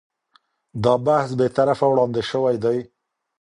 دا بحث بې طرفه وړاندې شوی دی.